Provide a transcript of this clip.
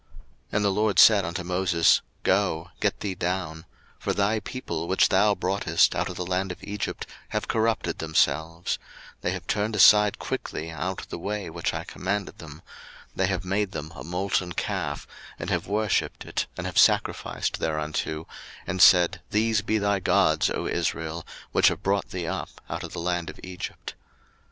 02:032:007 And the LORD said unto Moses, Go, get thee down; for thy people, which thou broughtest out of the land of Egypt, have corrupted themselves: 02:032:008 They have turned aside quickly out of the way which I commanded them: they have made them a molten calf, and have worshipped it, and have sacrificed thereunto, and said, These be thy gods, O Israel, which have brought thee up out of the land of Egypt.